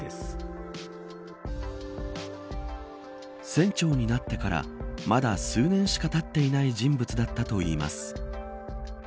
船長になってからまだ数年しかたっていない人物だったといいます。